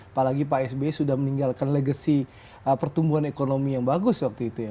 apalagi pak s b sudah meninggalkan legasi pertumbuhan ekonomi yang bagus waktu itu ya